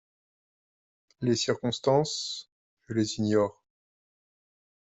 Les circonstances … je les ignore.